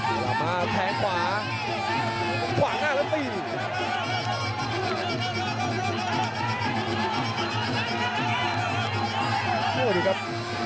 กระโดยสิ้งเล็กนี่ออกกันขาสันเหมือนกันครับ